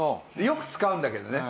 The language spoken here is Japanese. よく使うんだけどね